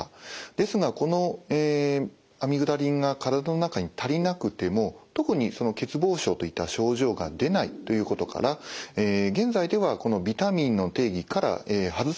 ですがこのアミグダリンが体の中に足りなくても特に欠乏症といった症状が出ないということから現在ではこのビタミンの定義から外されています。